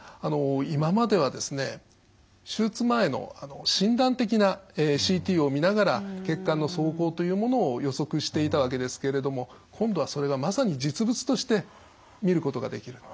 今まではですね手術前の診断的なＣＴを見ながら血管の走行というものを予測していたわけですけれども今度はそれがまさに実物として見ることができる。